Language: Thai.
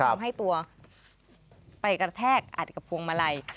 ทำให้ตัวไปกระแทกอัดกับพวงมาลัย